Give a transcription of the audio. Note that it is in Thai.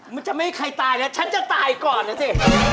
มันจะไม่ให้ใครตายนะฉันจะตายก่อนนะสิ